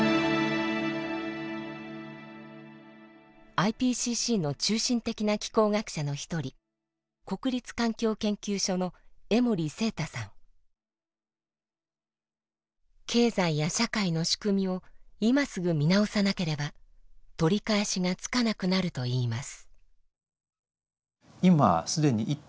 ＩＰＣＣの中心的な気候学者の一人経済や社会の仕組みを今すぐ見直さなければ取り返しがつかなくなるといいます。